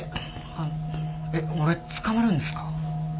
あのえっ俺捕まるんですか？